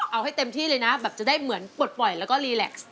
เอาให้เต็มที่เลยนะแบบจะได้เหมือนปลดปล่อยแล้วก็รีแล็กซ์